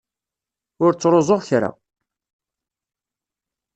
Ur ttruẓuɣ kra.